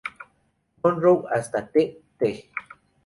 Monroe hasta Tte.